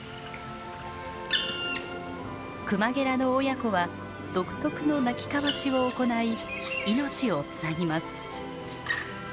クマゲラの親子は独特の鳴き交わしを行い命をつなぎます。